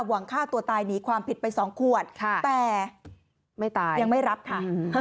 หวังฆ่าตัวตายหนีความผิดไปสองขวดแต่ไม่ตายยังไม่รับค่ะ